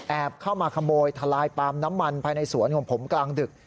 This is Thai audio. เข้ามาขโมยทลายปาล์มน้ำมันภายในสวนของผมกลางดึก